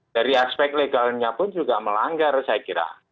dari aspek legalnya pun juga melanggar saya kira